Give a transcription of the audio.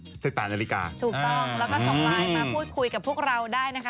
ถูกต้องแล้วก็ส่งไลน์มาพูดคุยกับพวกเราได้นะคะ